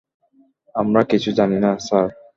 আমরা কিছু জানি না, স্যার।